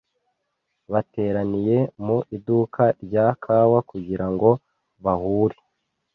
Bateraniye mu iduka rya kawa kugira ngo bahure.